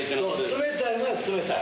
冷たいのは冷たい。